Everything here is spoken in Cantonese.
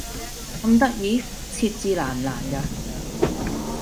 咁得意？設置難唔難㗎？